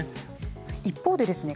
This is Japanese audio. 一方でですね